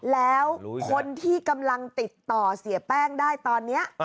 แล้วคนที่กำลังติดต่อเสียแป้งได้ตอนนี้